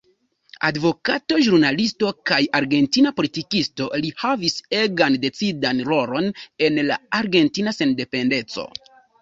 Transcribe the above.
Advokato, ĵurnalisto kaj argentina politikisto, li havis egan decidan rolon en la Argentina Sendependeco.